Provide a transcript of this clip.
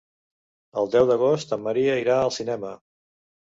El deu d'agost en Maria irà al cinema.